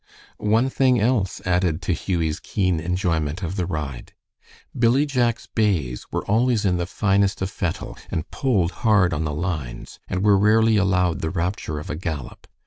One thing else added to Hughie's keen enjoyment of the ride. Billy Jack's bays were always in the finest of fettle, and pulled hard on the lines, and were rarely allowed the rapture of a gallop.